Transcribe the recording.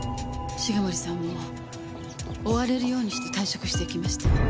重森さんも追われるようにして退職していきました。